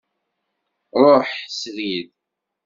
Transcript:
Ruḥ srid.